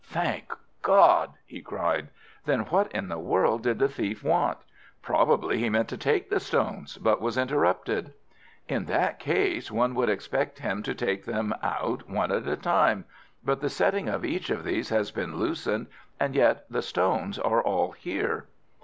"Thank God!" he cried. "Then what in the world did the thief want?" "Probably he meant to take the stones, but was interrupted." "In that case one would expect him to take them out one at a time, but the setting of each of these has been loosened, and yet the stones are all here."